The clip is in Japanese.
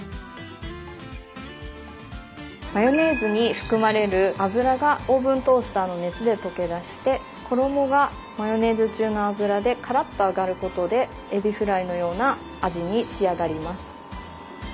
マヨネーズに含まれる油がオーブントースターの熱で溶け出して衣がマヨネーズ中の油でカラッと揚がることでえびフライのような味に仕上がります。